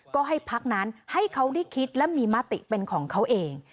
ก็ให้พักนั้นให้เขาได้คิดและมีมติเป็นของเขาเอง